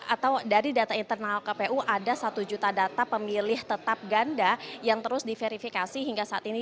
atau dari data internal kpu ada satu juta data pemilih tetap ganda yang terus diverifikasi hingga saat ini